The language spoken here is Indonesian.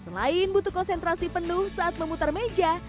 selain butuh konsentrasi penuh saat memutar meja